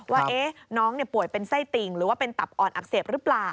ว่าน้องป่วยเป็นไส้ติ่งหรือว่าเป็นตับอ่อนอักเสบหรือเปล่า